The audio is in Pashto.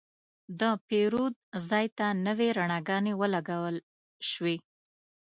د پیرود ځای ته نوې رڼاګانې ولګول شوې.